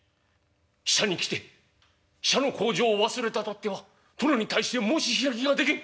使者に来て使者の口上を忘れたとあっては殿に対して申し開きができん。